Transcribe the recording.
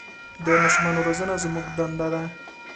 د ماشومان روزنه زموږ دنده ده.